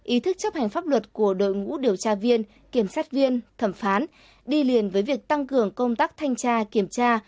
ý thức chấp hành pháp luật của đội ngũ điều tra viên kiểm sát viên thẩm phán đi liền với việc tăng cường công tác thanh tra kiểm tra